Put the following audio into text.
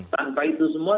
tanpa itu semua